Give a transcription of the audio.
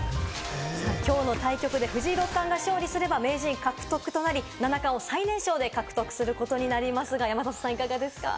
きょうの対局で藤井六冠が勝利すれば名人獲得となり、七冠を最年少で獲得することになりますが、山里さんいかがですか？